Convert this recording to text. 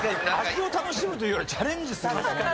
味を楽しむというよりチャレンジする。